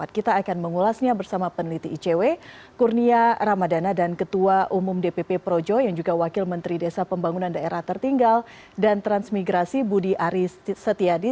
kita akan mengulasnya bersama peneliti icw kurnia ramadana dan ketua umum dpp projo yang juga wakil menteri desa pembangunan daerah tertinggal dan transmigrasi budi aris setiadi